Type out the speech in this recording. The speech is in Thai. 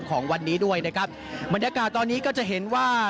ของวันนี้ด้วยนะครับบรรยากาศตอนนี้ก็จะเห็นว่า